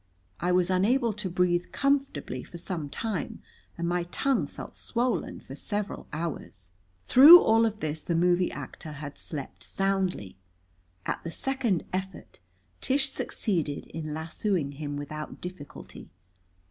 I was unable to breathe comfortably for some time, and my tongue felt swollen for several hours. Through all of this the movie actor had slept soundly. At the second effort Tish succeeded in lassoing him without difficulty.